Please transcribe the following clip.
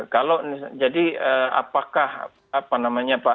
kalau jadi apakah apa namanya pak mohaimin akan menjadi ketua pkb